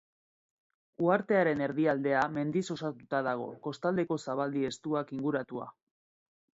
Uhartearen erdialdea mendiz osatuta dago, kostaldeko zabaldi estuak inguratua.